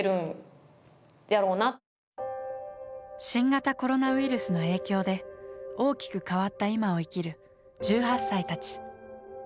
新型コロナウイルスの影響で大きく変わった今を生きる１８歳たち。